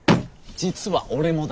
実は俺もだ。